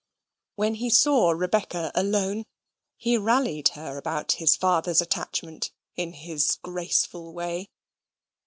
When he saw Rebecca alone, he rallied her about his father's attachment in his graceful way.